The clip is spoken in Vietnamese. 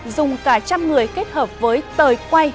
dùng cả trăm người kết hợp với tời quay